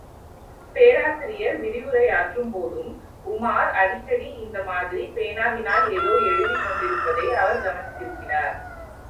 பேராசிரியர் விரிவுரையாற்றும் போதும் உமார் அடிக்கடி இந்த மாதிரிப் பேனாவினால் ஏதோ எழுதிக் கொண்டிருப்பதை அவர் கவனித்திருக்கிறார்.